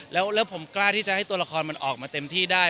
แล้วผมกล้าที่จะให้ตัวละครมันออกมาเต็มที่ได้